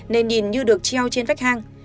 nên nhìn như được treo trên vách hang